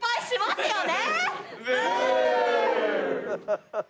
ハハハハ。